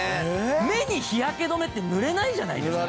目に日焼け止めって塗れないじゃないですか。